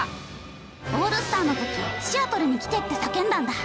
オールスターの時「シアトルに来て」って叫んだんだ。